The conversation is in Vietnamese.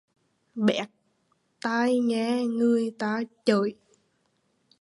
Béc tai nghe người ta chưởi